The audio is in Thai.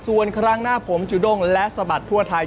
ส่วนครั้งหน้าผมจุด้งและสะบัดทั่วไทย